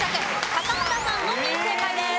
高畑さんのみ正解です。